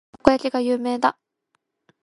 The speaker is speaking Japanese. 大阪はたこ焼きが有名だ。